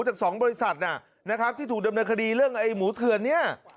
จาก๒บริษัทนะครับที่ถูกดำเนินคดีเรื่องไอ้หมูเถื่อนเนี่ย